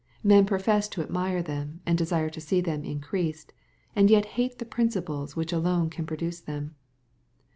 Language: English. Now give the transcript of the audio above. Men profess to admire them and desire to see them increased, and yet hate the principles which alone can^produce them.